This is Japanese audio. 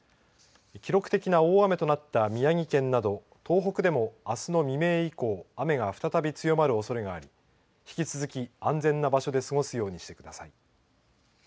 記録的な大雨となった宮城県など、東北でもあすの未明以降雨が再び強まるおそれがあり引き続き安全な場所で過ごすようにしてください。